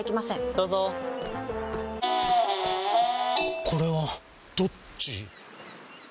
どうぞこれはどっち？